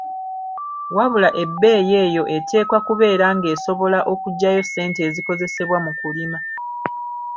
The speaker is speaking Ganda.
Wabula ebbeeyi eyo eteekwa kubeera ng’esobola okuggyayo ssente ezikozesebwa mu kulima.